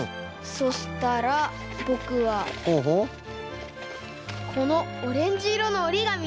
そしたらぼくはこのオレンジいろのおりがみで。